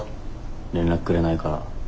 連絡くれないから。